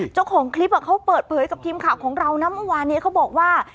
เจ้าของคลิปเขาเปิดเผยกับทีมข่าวของเรานะเมื่อวานนี้เขาบอกว่า